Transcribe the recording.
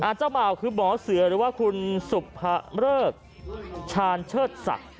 เจ้าบ่าวคือหมอเสือหรือว่าคุณสุภะเริกชาญเชิดศักดิ์